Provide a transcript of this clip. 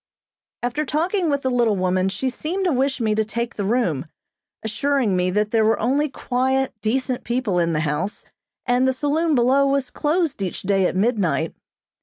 After talking with the little woman she seemed to wish me to take the room, assuring me that there were only quiet, decent people in the house, and the saloon below was closed each day at midnight.